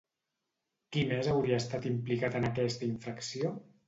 Qui més hauria estat implicat en aquesta infracció?